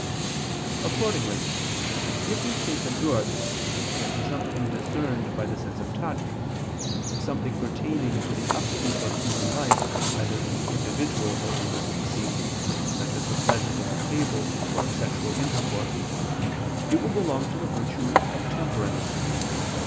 Accordingly, if we take a good, and it be something discerned by the sense of touch, and something pertaining to the upkeep of human life either in the individual or in the species, such as the pleasures of the table or of sexual intercourse, it will belong to the virtue of _temperance.